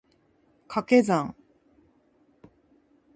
掛け算